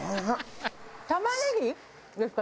玉ねぎですか？